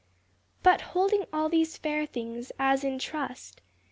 But, holding all these fair things as in trust.